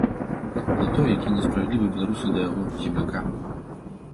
На тое, якія несправядлівыя беларусы да яго, земляка.